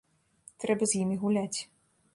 Трэба з імі гуляць.